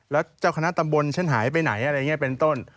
แล้วเจ้าคณะตำบลฉันหายไปไหนเป็นต้น